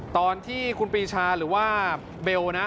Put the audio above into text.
ตอนที่คุณปีชาหรือว่าเบลนะ